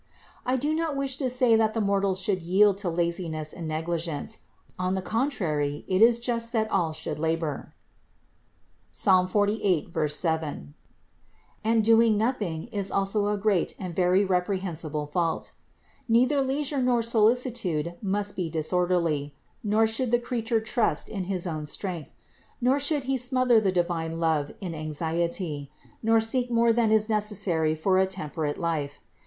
437. I do not wish to say that the mortals should yield to laziness and negligence ; on the contrary it is just that all should labor (Ps. 48, 7), and doing nothing is also a great and very reprehensible fault. Neither leisure nor solicitude must be disorderly; nor should the creature trust in his own strength; nor should he smother the divine love in anxiety; nor seek more than is necessary for a temperate life.